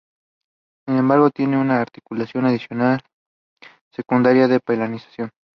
Sin embargo, tienen una articulación adicional secundaria de palatalización.